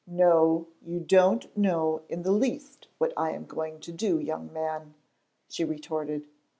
"No, you don't know in the least what I am going to do, young man," she retorted.